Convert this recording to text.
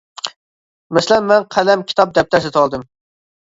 مەسىلەن :مەن قەلەم، كىتاب، دەپتەر سېتىۋالدىم.